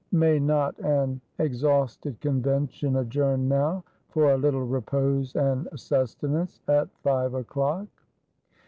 May not an exhausted Convention adjourn now, for a little repose and sustenance, "at five o'clock"?